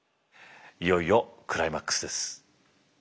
いよいよクライマックスです。